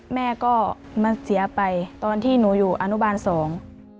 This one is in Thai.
แม่ก็มันเสียไปตอนที่หนูอยู่อนุบาลสอง